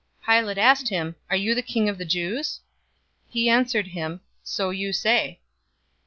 023:003 Pilate asked him, "Are you the King of the Jews?" He answered him, "So you say."